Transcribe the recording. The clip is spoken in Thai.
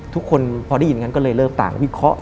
ทุกคนพอได้ยินงั้นก็เลยเริ่มต่างวิเคราะห์